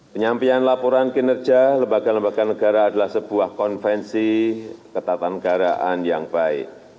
penyampaian laporan kinerja lembaga lembaga negara adalah sebuah konvensi ketatanegaraan yang baik